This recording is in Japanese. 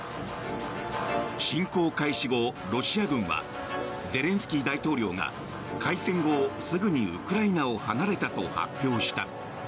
侵攻開始後、ロシア軍はゼレンスキー大統領が開戦後すぐにウクライナを離れたと発表した。